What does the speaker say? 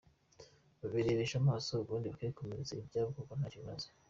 babirebesha amaso ubundi bakikomereza ibyabo kuko ntacyo bimaze.